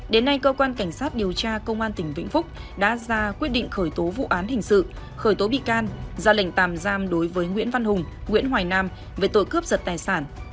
đến nay cơ quan cảnh sát điều tra công an tỉnh vĩnh phúc đã ra quyết định khởi tố vụ án hình sự khởi tố bị can ra lệnh tạm giam đối với nguyễn văn hùng nguyễn hoài nam về tội cướp giật tài sản